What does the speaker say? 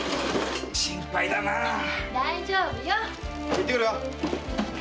行ってくるよ！